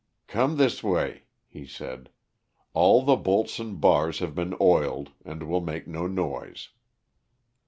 "Come this way," he said. "All the bolts and bars have been oiled and will make no noise."